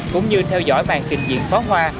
cũng như theo dõi bàn trình diện phó hoa